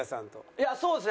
いやそうですね。